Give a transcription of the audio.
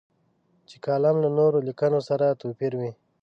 چې کالم له نورو لیکنو سره توپیروي.